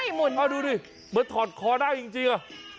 เหมือนถอดคอได้จริง